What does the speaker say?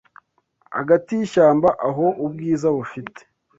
hagati yishyamba Aho ubwiza bufite